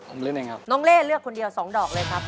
ผมเลือกเองครับน้องเล่เลือกคนเดียวสองดอกเลยครับ